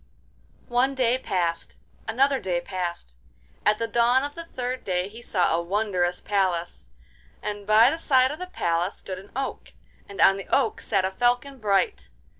One day passed, another day passed; at the dawn of the third day he saw a wondrous palace, and by the side of the palace stood an oak, and on the oak sat a falcon bright.